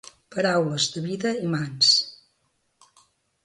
Paraules de Vida i Mans.